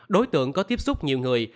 đối tượng có tiếp xúc nhiều người